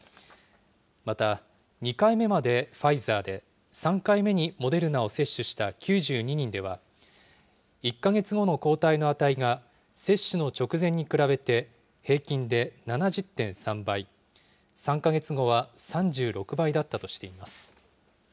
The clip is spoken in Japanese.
また、２回目までファイザーで、３回目にモデルナを接種した９２人では、１か月後の抗体の値が接種の直前に比べて、平均で７０．３倍、３か月後は３６倍だったとしています。